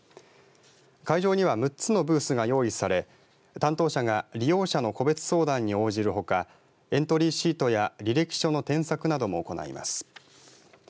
会場には６つのブースが用意され担当者が利用者の個別相談に応じるほかエントリーシートや履歴書の添削なども行います。